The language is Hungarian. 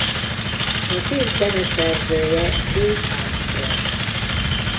A film zeneszerzője Craig Armstrong.